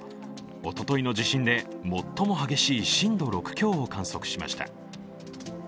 おとといの地震で最も激しい震度６強を観測しました。